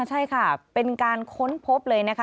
ใช่ค่ะเป็นการค้นพบเลยนะคะ